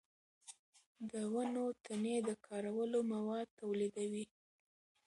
د ونو تنې د کارولو مواد تولیدوي.